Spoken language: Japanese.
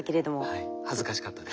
はい恥ずかしかったです。